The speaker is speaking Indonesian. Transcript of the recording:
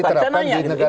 itu sudah clear